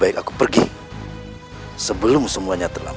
aku akan pergi ke istana yang lain